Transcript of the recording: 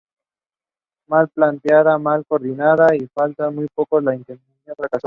Mal planeada, mal coordinada y falta de apoyos, la intentona fracasó.